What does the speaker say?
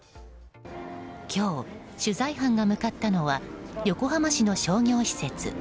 今日、取材班が向かったのは横浜市の商業施設。